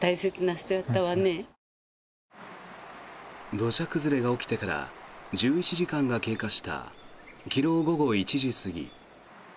土砂崩れが起きてから１１時間が経過した昨日午後１時過ぎ。